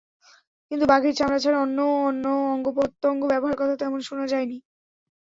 কিন্তু বাঘের চামড়া ছাড়া অন্য অঙ্গপ্রত্যঙ্গের ব্যবহারের কথা তেমন শোনা যায়নি।